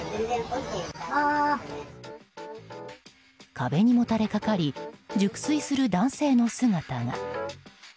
壁にもたれかかり熟睡する男性の姿が。